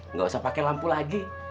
nggak usah pakai lampu lagi